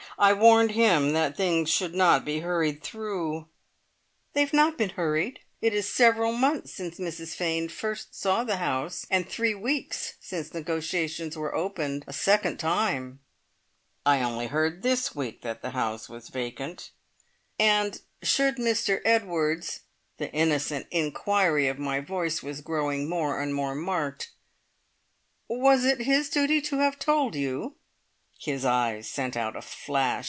I warned him that things should not be hurried through." "They have not been hurried. It is several months since Mrs Fane first saw the house, and three weeks since negotiations were opened a second time." "I only heard this week that the house was vacant." "And should Mr Edwards" (the innocent inquiry of my voice was growing more and more marked) "was it his duty to have told you?" His eyes sent out a flash.